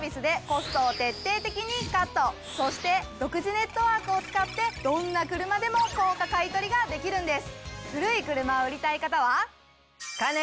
そして独自ネットワークを使ってどんな車でも高価買取ができるんです！